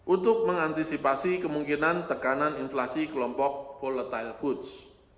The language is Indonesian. untuk mengantisipasi kemungkinan tekanan inflasi kelompok volatile foods